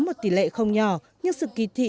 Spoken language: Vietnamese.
một tỷ lệ không nhỏ nhưng sự kỳ thị